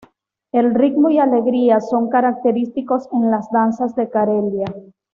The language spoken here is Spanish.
El ritmo y alegría son característicos en las danzas de Karelia.